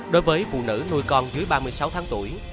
đối với phụ nữ nuôi con dưới ba mươi sáu tháng tuổi